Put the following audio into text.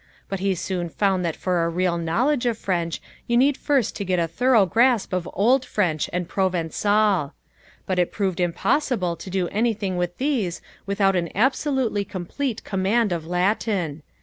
But he soon found that for a real knowledge of French you need first to get a thorough grasp of Old French and Provençal. But it proved impossible to do anything with these without an absolutely complete command of Latin.